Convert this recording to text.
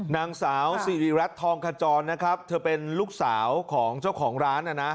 นางสาวสิริรัตน์ทองขจรนะครับเธอเป็นลูกสาวของเจ้าของร้านนะนะ